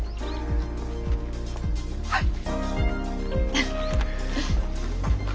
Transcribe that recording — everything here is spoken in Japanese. はい。